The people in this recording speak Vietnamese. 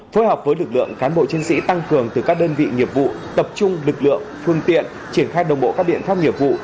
phối hợp với lực lượng cán bộ chiến sĩ tăng cường từ các đơn vị nghiệp vụ tập trung lực lượng phương tiện triển khai đồng bộ các biện pháp nghiệp vụ